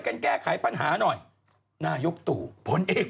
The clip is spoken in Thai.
เพราะวันนี้หล่อนแต่งกันได้ยังเป็นสวย